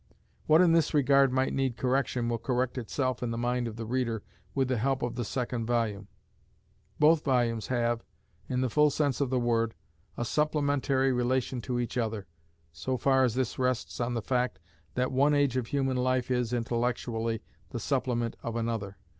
What in this regard might need correction will correct itself in the mind of the reader with the help of the second volume. Both volumes have, in the full sense of the word, a supplementary relation to each other, so far as this rests on the fact that one age of human life is, intellectually, the supplement of another.